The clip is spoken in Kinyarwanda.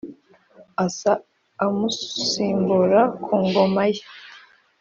Asa amusimbura ku ngoma ye